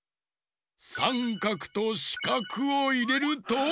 さんかくとしかくをいれると。